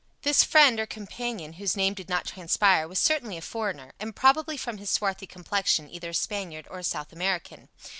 This friend or companion, whose name did not transpire, was certainly a foreigner, and probably from his swarthy complexion, either a Spaniard or a South American.